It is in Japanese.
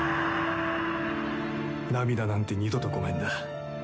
涙なんて二度とごめんだ。